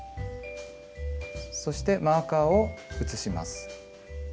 そしてマーカーを移します。